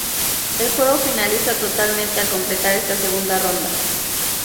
El juego finaliza totalmente al completar esta segunda ronda.